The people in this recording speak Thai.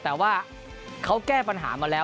แต่ว่าเขาแก้ปัญหามาแล้ว